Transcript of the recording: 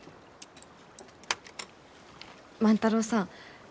万太郎さん。